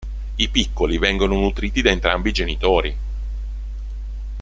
I piccoli vengono nutriti da entrambi i genitori.